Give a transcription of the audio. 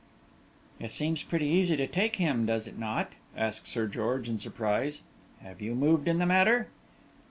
"It seems pretty easy to take him, does it not?" asked Sir George, in surprise. "Have you moved in the matter?"